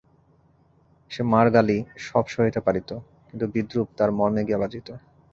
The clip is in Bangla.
সে মার গালি সব সহিতে পারিত, কিন্তু বিদ্রুপ তার মর্মে গিয়া বাজিত।